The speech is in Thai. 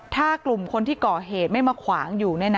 ถ้ากลุ่มคนที่ก่อเหตุไม่มาขวางอยู่